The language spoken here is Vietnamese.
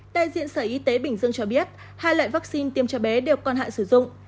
đại diện sở y tế bình dương cho biết hai loại vaccine tiêm cho bé đều còn hạn sử dụng